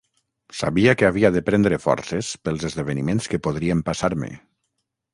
Sabia que havia de prendre forces pels esdeveniments que podrien passar-me.